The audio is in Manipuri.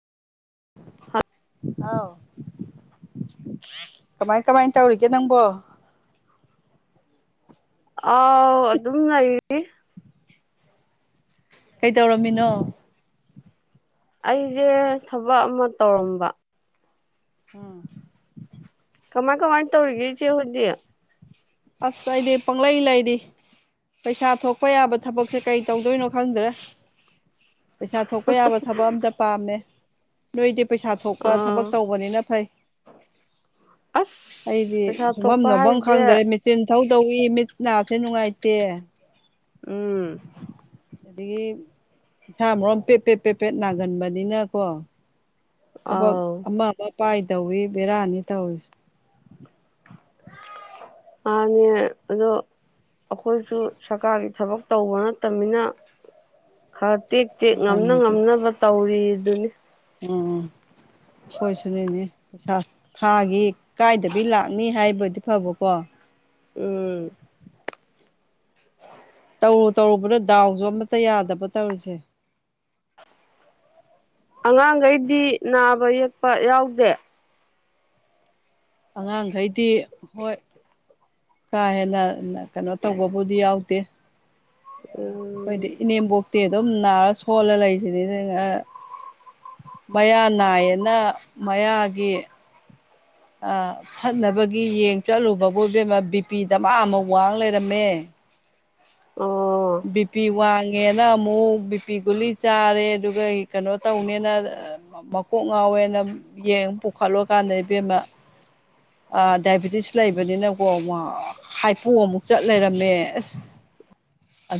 ꯍꯥꯎ ꯀꯃꯥꯏ ꯀꯃꯥꯏ ꯇꯧꯔꯤꯒꯦ ꯅꯪꯕꯣ ꯑꯥꯎ ꯑꯗꯨꯝ ꯂꯩꯔꯤ ꯀꯩꯗꯧꯔꯝꯃꯤꯅꯣ ꯑꯩꯖꯦ ꯊꯕꯛ ꯑꯃ ꯇꯧꯔꯝꯕ ꯎꯝ ꯀꯃꯥꯏ ꯀꯃꯥꯏ ꯇꯧꯔꯤꯒꯦ ꯏꯆꯦ ꯍꯣꯏꯗꯤ ꯑꯁ ꯑꯩꯗꯤ ꯄꯪꯂꯩ ꯂꯩꯔꯤ ꯄꯩꯁꯥ ꯊꯣꯛꯄ ꯌꯥꯕ ꯊꯕꯛꯁꯦ ꯀꯩ ꯇꯧꯗꯣꯏꯅꯣ ꯈꯪꯗ꯭ꯔꯦ ꯄꯩꯁꯥ ꯊꯣꯛꯄ ꯌꯥꯕ ꯊꯕꯛ ꯑꯝꯇ ꯄꯥꯝꯃꯦ ꯅꯣꯏꯗꯤ ꯄꯩꯁꯥ ꯊꯣꯛꯄ ꯑꯥ ꯊꯕꯛ ꯇꯧꯕꯅꯤꯅ ꯐꯩ ꯑꯁ ꯑꯩꯗꯤ ꯄꯩꯁꯥ ꯁꯨꯕꯝ ꯊꯣꯛꯄ ꯅꯣꯝꯕꯝ ꯍꯥꯏꯁꯦ ꯈꯪꯗ꯭ꯔꯦ ꯃꯤꯠ ꯊꯧ ꯇꯧꯏ ꯃꯤꯠ ꯅꯥꯁꯦ ꯅꯨꯡꯉꯥꯏꯇꯦ ꯎꯝ ꯑꯗꯒꯤ ꯏꯁꯥ ꯃꯔꯣꯝ ꯄꯦ ꯄꯦ ꯄꯦ ꯄꯦꯠ ꯅꯥꯒꯟꯕꯅꯤꯅ ꯀꯣ ꯊꯕꯛ ꯑꯥꯎ ꯑꯃ ꯑꯃ ꯄꯥꯏꯗꯧꯋꯦ ꯕꯦꯔꯥꯅꯤ ꯇꯧꯔꯤꯁꯦ ꯃꯥꯅꯦ ꯑꯗꯣ ꯑꯩꯈꯣꯏꯁꯨ ꯁꯔꯀꯥꯔꯒꯤ ꯊꯕꯛ ꯇꯧꯕ ꯅꯠꯇꯝꯅꯤꯅ ꯈꯔ ꯇꯦꯛ ꯇꯦꯛ ꯉꯝꯅ ꯃꯥꯅꯤ ꯉꯝꯅꯕ ꯇꯧꯔꯤꯗꯨꯅꯤ ꯑꯥ ꯈꯣꯏꯁꯨꯅꯤꯅꯦ ꯄꯩꯁꯥ ꯊꯥꯒꯤ ꯀꯥꯏꯗꯕꯤ ꯂꯥꯛꯅꯤ ꯍꯥꯏꯕ ꯑꯣꯢꯗꯤ ꯐꯕꯀꯣ [unintelligible] ꯇꯧꯔꯨ ꯇꯧꯔꯨꯕꯅ ꯗꯥꯎꯁꯨ ꯑꯃꯠꯇ ꯌꯥꯗꯕ ꯇꯧꯔꯤꯁꯦ ꯑꯉꯥꯡꯈꯩꯗꯤ ꯅꯥꯕ ꯌꯦꯛꯄ ꯌꯥꯎꯗꯦ ꯑꯉꯥꯡꯒꯩꯗꯤ ꯍꯣꯏ ꯀꯥ ꯍꯦꯟꯅ ꯀꯩꯅꯣ ꯇꯧꯕꯕꯨꯗꯤ ꯌꯥꯎꯗꯦ ꯑ ꯑꯩꯈꯣꯏꯗꯤ ꯎꯝ ꯏꯅꯦꯝꯕꯣꯛꯇꯤ ꯑꯗꯨꯝ ꯅꯥꯔ ꯁꯣꯜꯂ ꯂꯩꯁꯤꯅꯤꯅꯦ ꯍꯤ ꯑ ꯃꯌꯥ ꯅꯥꯏꯌꯦꯅ ꯃꯌꯥꯒꯤ ꯑ ꯁꯠꯅꯕꯒꯤ ꯌꯦꯡ ꯆꯠꯂꯨꯕꯕꯨ ꯏꯕꯦꯝꯃ ꯕꯤꯄꯤ ꯗꯃꯥ ꯑꯃ ꯋꯥꯡ ꯂꯩꯔꯝꯃꯦ [inaudible] ꯑꯣ ꯕꯤꯄꯤ ꯋꯥꯡꯉꯦꯅ ꯑꯃꯨꯛ ꯕꯤꯄꯤ ꯒꯨꯂꯤ ꯆꯥꯔꯦ ꯑꯗꯨꯒ ꯀꯩꯅꯣ ꯇꯧꯅꯦꯅ ꯑ ꯃꯀꯣꯛ ꯉꯥꯎꯋꯦꯅ ꯌꯦꯡ ꯄꯨꯈꯠꯂꯨꯀꯥꯟꯗ ꯏꯕꯦꯝꯃ [inaudible] ꯑ ꯗꯥꯏꯕꯤꯇꯤꯁ ꯂꯩꯕꯅꯤꯅꯀꯣ ꯍꯥꯏꯄꯣ ꯑꯃꯨꯛ ꯆꯠ ꯂꯩꯔꯝꯃꯦ ꯑꯁ [inaudible]